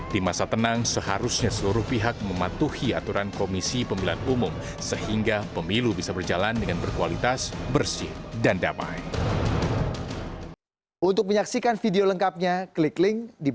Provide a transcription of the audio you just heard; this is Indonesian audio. di masa tenang seharusnya seluruh pihak mematuhi aturan komisi pemilihan umum sehingga pemilu bisa berjalan dengan berkualitas bersih dan damai